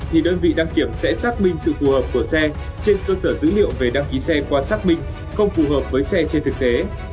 thì đơn vị đăng kiểm sẽ xác minh sự phù hợp của xe trên cơ sở dữ liệu về đăng ký xe qua xác minh không phù hợp với xe trên thực tế